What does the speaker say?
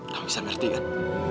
kamu bisa mengerti kan